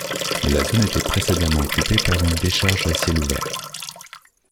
La zone était précédemment occupée par une décharge à ciel ouvert.